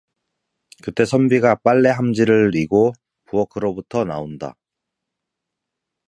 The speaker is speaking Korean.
그때 선비가 빨래 함지 를이고 부엌으로부터 나온다.